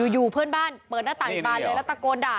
อยู่เพื่อนบ้านเปิดหน้าต่างบานเลยแล้วตะโกนด่า